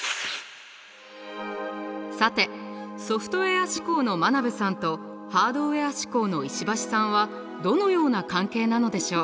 さてソフトウェア指向の真鍋さんとハードウェア指向の石橋さんはどのような関係なのでしょう？